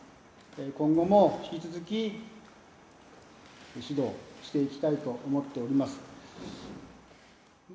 今後も引き続き指導していきたいと思っております。